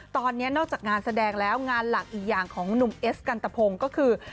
ตอนนี้นอกจากงานแสดงแล้วงานหลักอีกอย่างของหนุ่มเอสกันตะพงก็คือ